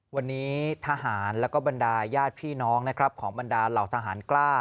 วันนี้ทหารแล้วก็บรรดาญาติพี่น้องนะครับของบรรดาเหล่าทหารกล้า